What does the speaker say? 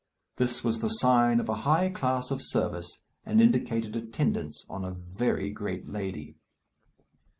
This was the sign of a high class of service, and indicated attendance on a very great lady.